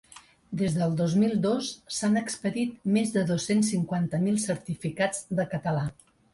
Des del dos mil dos s’han expedit més de dos-cents cinquanta mil certificats de català.